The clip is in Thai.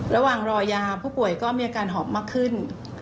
ระหว่างรอยาผู้ป่วยก็มีอาการหอบมากขึ้น